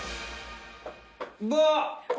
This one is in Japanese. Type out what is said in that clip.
うわっ！